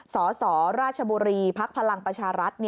สสราชบุรีพพลังประชารัฐ